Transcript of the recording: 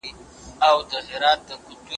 خپلواکي د انسان کرامت لوړوي.